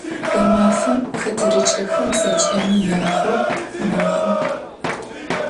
Ğemafem xeterıç'xem zeç'emi yağo mexhu.